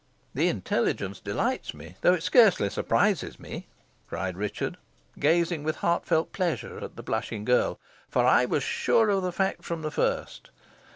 "The intelligence delights me, though it scarcely surprises me," cried Richard, gazing with heartfelt pleasure at the blushing girl; "for I was sure of the fact from the first.